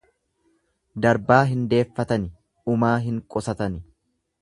Darbaa hin deeffatani dhumaa hin qusatan.